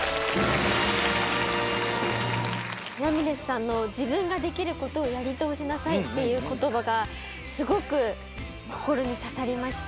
ラミレスさんの、自分ができることをやり通しなさいっていうことばが、すごく心に刺さりまして。